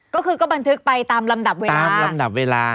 ก็คือก็บันทึกไปตามลำดับเวลาตามลำดับเวลา